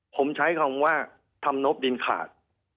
ผมใช้คำว่าทำนบดินขาด